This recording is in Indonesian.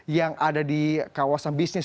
yang ada di kawasan bisnis